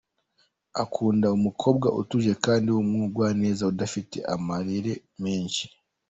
Akunda umukobwa utuje kandi w’umugwaneza udafite amarere menshi.